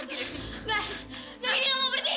gendy kamu jangan pergi